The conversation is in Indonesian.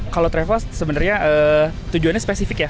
kalau travel sebenarnya tujuannya spesifik ya